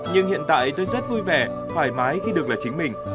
nhưng hiện tại tôi rất vui vẻ thoải mái khi được là chính mình